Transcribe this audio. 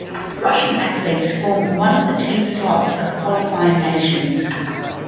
Russian athletes form one of the team slots of qualifying nations.